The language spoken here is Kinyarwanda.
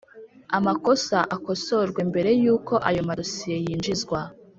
Amakosa akosorwe mbere y’uko ayo madosiye yinjizwa